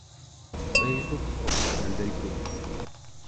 Facebook oficial del grupo